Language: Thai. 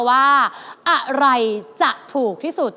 หลายจะถูกที่สุด